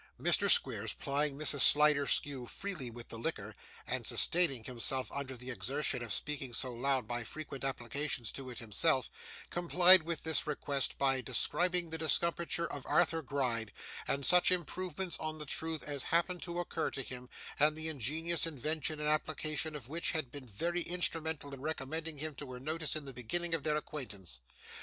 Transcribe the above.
Mr. Squeers, plying Mrs. Sliderskew freely with the liquor, and sustaining himself under the exertion of speaking so loud by frequent applications to it himself, complied with this request by describing the discomfiture of Arthur Gride, with such improvements on the truth as happened to occur to him, and the ingenious invention and application of which had been very instrumental in recommending him to her notice in the beginning of their acquaintance.